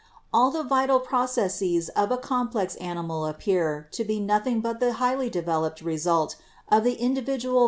All the vital proc esses of a complex animal appear to be nothing but the highly developed result of the individual vital processes of Fig.